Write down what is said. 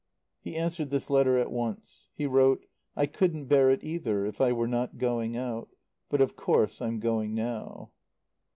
He answered this letter at once. He wrote: "I couldn't bear it either, if I were not going out. But of course I'm going now."